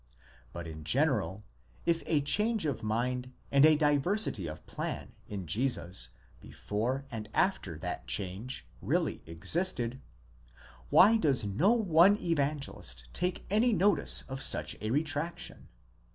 But in general, if a change of mind and a diversity of plan in Jesus before and after that change, really existed: why does no one Evangelist take any notice of such a retractation?